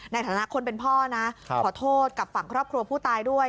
ในฐานะคนเป็นพ่อนะขอโทษกับฝั่งครอบครัวผู้ตายด้วย